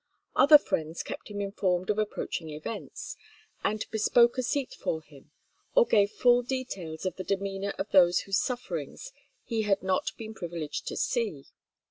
Other friends kept him informed of approaching events, and bespoke a seat for him, or gave full details of the demeanour of those whose sufferings he had not been privileged to see.